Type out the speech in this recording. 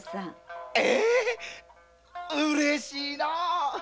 ヘうれしいな。